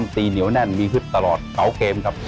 ตีเหนียวแน่นมีฮึดตลอดเก๋าเกมครับ